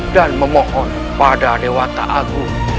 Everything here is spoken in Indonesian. dan memohon pada dewa ta'agu